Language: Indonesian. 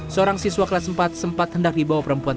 seorang siswa kelas empat sempat hendak dibawa perempuan